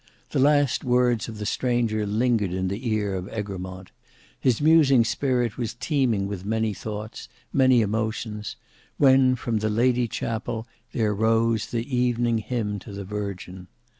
The last words of the stranger lingered in the ear of Egremont; his musing spirit was teeming with many thoughts, many emotions; when from the Lady Chapel there rose the evening hymn to the Virgin.